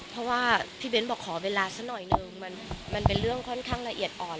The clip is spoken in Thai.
เพราะว่าพี่เบ้นบอกขอเวลาสักหน่อยนึงมันเป็นเรื่องค่อนข้างละเอียดอ่อน